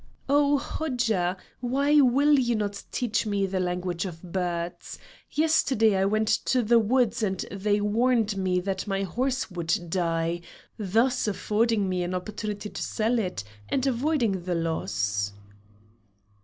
"Oh Hodja, why will you not teach me the language of birds? Yesterday I went to the woods and they warned me that my horse would die, thus affording me an opportunity of selling it and avoiding the loss."